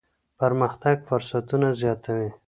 پرمختګ فرصتونه زیاتوي.